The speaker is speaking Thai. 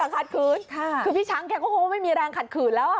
คือพี่ช้างแค่โครโฮไม่มีแรงขัดขืนแล้ว